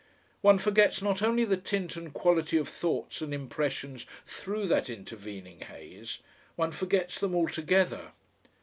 One forgets not only the tint and quality of thoughts and impressions through that intervening haze, one forgets them altogether.